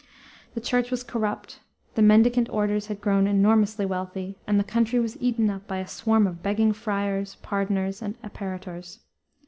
The Church was corrupt; the mendicant orders had grown enormously wealthy, and the country was eaten up by a swarm of begging friars, pardoners, and apparitors.